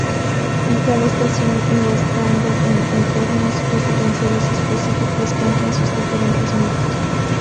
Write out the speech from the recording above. En cada estación y estando en entornos residenciales específicos, cantan sus diferentes mitos.